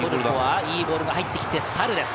いいボールが入ってきてサルです。